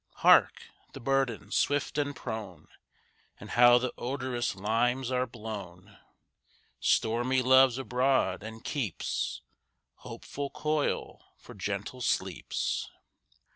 Hark! the burthen, swift and prone! And how the odorous limes are blown! Stormy Love's abroad, and keeps Hopeful coil for gentle sleeps.